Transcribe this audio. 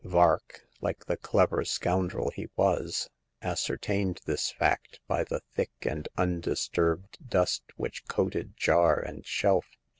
Vark, like the clever scoundrel he was, ascer tained this fact by the thick and undisturbed dust which coated jar and shelf.